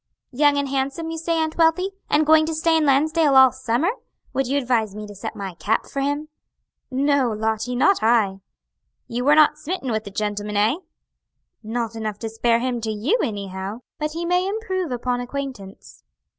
"Young and handsome, you say, Aunt Wealthy? and going to stay in Lansdale all summer? Would you advise me to set my cap for him?" "No, Lottie; not I." "You were not smitten with the gentleman, eh?" "Not enough to spare him to you anyhow, but he may improve upon acquaintance."